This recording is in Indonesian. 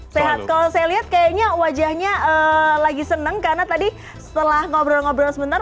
sehat kalau saya lihat kayaknya wajahnya lagi seneng karena tadi setelah ngobrol ngobrol sebentar